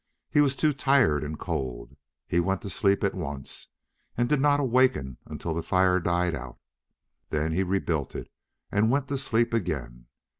He was too tired and cold. He went to sleep at once and did not awaken until the fire died out. Then he rebuilt it and went to sleep again.